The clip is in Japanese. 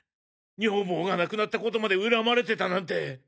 女房が亡くなったことまで恨まれてたなんて。